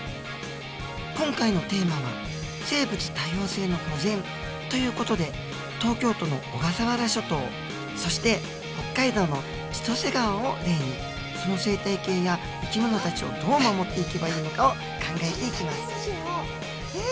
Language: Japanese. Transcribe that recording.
今回のテーマは「生物多様性の保全」という事で東京都の小笠原諸島そして北海道の千歳川を例にその生態系や生き物たちをどう守っていけばいいのかを考えていきますへえ！